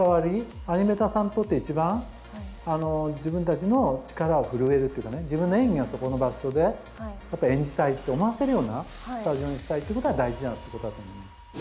アニメーターさんにとって一番自分たちの力を振るえるっていうかね自分の演技をそこの場所でやっぱ演じたいって思わせるようなスタジオにしたいっていうことが大事なことだと思います。